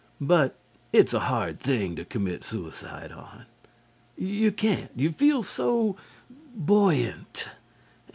But it's a hard thing to commit suicide on. You can't. You feel so buoyant.